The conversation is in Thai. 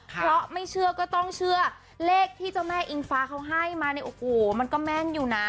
เพราะไม่เชื่อก็ต้องเชื่อเลขที่เจ้าแม่อิงฟ้าเขาให้มาเนี่ยโอ้โหมันก็แม่นอยู่นะ